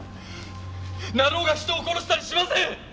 成尾が人を殺したりしません！